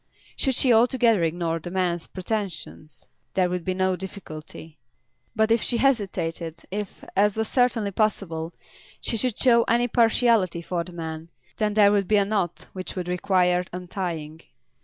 Should she altogether ignore the man's pretensions, there would be no difficulty. But if she hesitated, if, as was certainly possible, she should show any partiality for the man, then there would be a knot which would require untying.